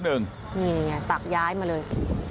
นี่ไงตักย้ายมาเลย